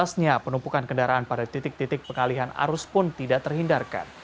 asnya penumpukan kendaraan pada titik titik pengalihan arus pun tidak terhindarkan